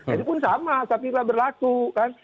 itu pun sama saktilah berlaku kan